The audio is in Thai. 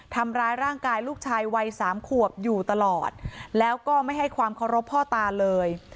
ทำร้ายร่างกายลูกชายวัยสามขวบอยู่ตลอดแล้วก็ไม่ให้ความเคารพพ่อตาเลย